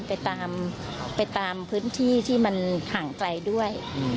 ไปตามไปตามพื้นที่ที่มันห่างไกลด้วย